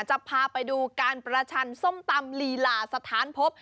จะพาไปดูการประชันส้มตำลีลาสถานพบ